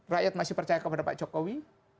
rakyat masih percaya kepada pak jokowi